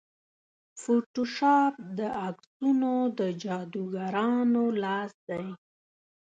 فوټوشاپ د عکسونو د جادوګرانو لاس دی.